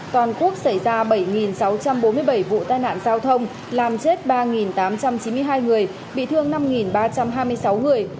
toàn quốc xảy ra bảy sáu trăm bốn mươi bảy vụ tai nạn giao thông làm chết ba tám trăm chín mươi hai người bị thương năm ba trăm hai mươi sáu người